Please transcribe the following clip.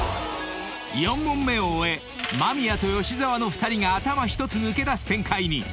［４問目を終え間宮と吉沢の２人が頭１つ抜け出す展開に］